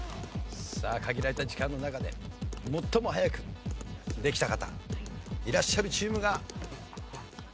さあ限られた時間の中で最も早くできた方いらっしゃるチームが。